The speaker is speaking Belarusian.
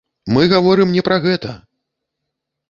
Мы гаворым не пра гэта!